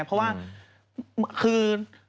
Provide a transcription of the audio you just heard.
เพราะว่าคือ